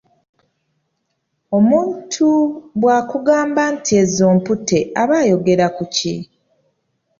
Omuntu bwakugamba nti ezo mputte aba ayogera ku ki?